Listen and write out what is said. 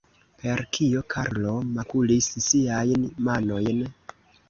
Per kio Karlo makulis siajn manojn?